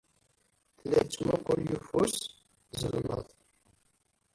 Tella tettmuqqul yeffus, zelmeḍ.